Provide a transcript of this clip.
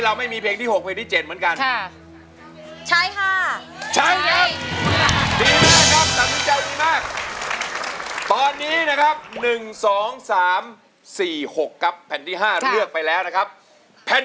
ไม่มีเพลงที่๖เพลงที่๗เหมือนกัน